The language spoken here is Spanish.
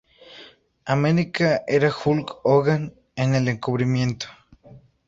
America era Hulk Hogan en el encubrimiento.